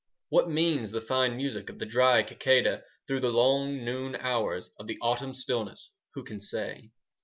5 What means the fine music Of the dry cicada, Through the long noon hours Of the autumn stillness, Who can say?